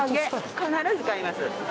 必ず買います